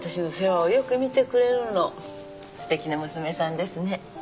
すてきな娘さんですね。